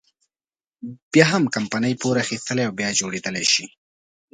بيا هم کمپنۍ پور اخیستلی او بیا جوړېدلی شي.